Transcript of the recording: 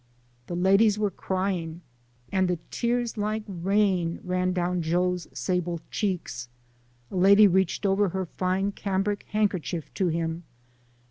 The ladies were crying, and the tears like rain ran down Joe's sable cheeks. A lady reached over her fine cambric handkerchief to him.